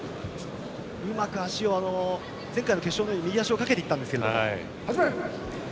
うまく足を前回の決勝のように右足をかけていったんですけれども。